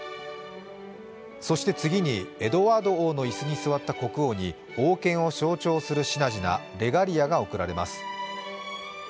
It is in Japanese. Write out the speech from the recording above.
そして次にエドワード王の椅子に座った国王に王権を象徴する品々、レガリアが置かれます。